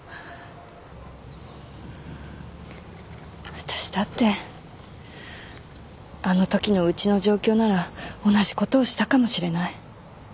わたしだってあのときのうちの状況なら同じことをしたかもしれない。